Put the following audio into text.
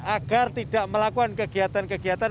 agar tidak melakukan kegiatan kegiatan